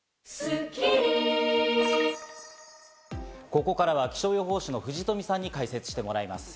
ここからは気象予報士の藤富さんに解説してもらいます。